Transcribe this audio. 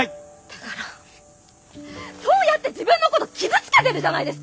だからそうやって自分のこと傷つけてるじゃないですか！